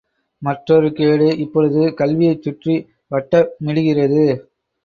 மற்றொரு கேடு இப்பொழுது கல்வியைச் சுற்றி வட்டமிடுகிறது.